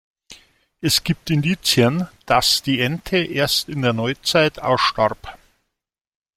Es gibt Indizien, dass die Ente erst in der Neuzeit ausstarb.